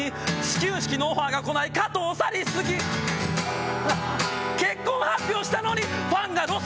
「始球式のオファーがこない加藤紗里好き」「結婚発表したのにファンがロスにならない」